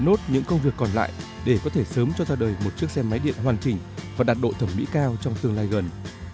nốt những công việc còn lại để có thể sớm cho ra đời một chiếc xe máy điện hoàn chỉnh và đạt độ thẩm mỹ cao trong tương lai gần